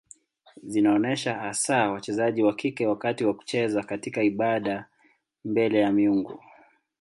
Zinaonyesha hasa wachezaji wa kike wakati wa kucheza katika ibada mbele ya miungu.